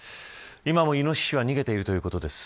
今もイノシシは逃げているということです。